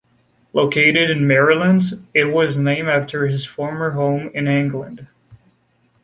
Located in Merrylands, it was named after his former home in England.